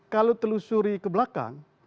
kalau telusuri ke belakang